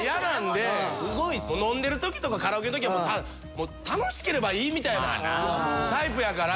飲んでる時とかカラオケの時は楽しければいいみたいなタイプやから。